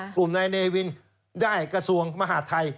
กลุ่มนายเนวินได้กระทรวงมหาดไทย